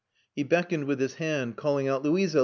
He beckoned with his hand, calling out, "Louisa!